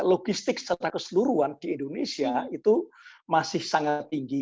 logistik secara keseluruhan di indonesia itu masih sangat tinggi